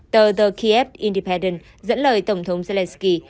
tờ the kiev independent dẫn lời tổng thống zelensky